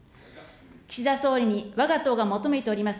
岸田総理にわが党が求めております